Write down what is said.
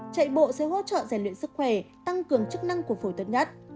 chạy bộ sẽ hỗ trợ giải luyện sức khỏe tăng cường chức năng của phổi tật nhất